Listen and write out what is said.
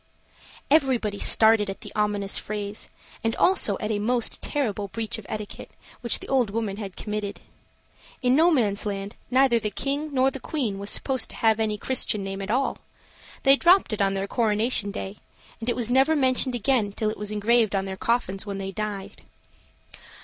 Everybody started at the ominous phrase, and also at a most terrible breach of etiquette which the old woman had committed. In Nomansland, neither the king nor the queen was supposed to have any Christian name at all. They dropped it on their coronation day, and it never was mentioned again till it was engraved on their coffins when they died.